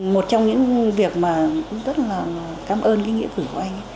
một trong những việc mà cũng rất là cảm ơn cái nghĩa cử của anh